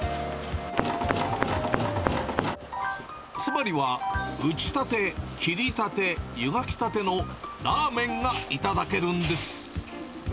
つまりは打ち立て、切り立て、ゆがき立てのラーメンが頂けるんです。